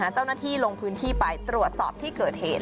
เจ้าหน้าที่ลงพื้นที่ไปตรวจสอบที่เกิดเหตุ